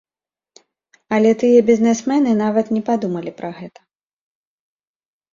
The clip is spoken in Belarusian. Але тыя бізнесмены нават не падумалі пра гэта.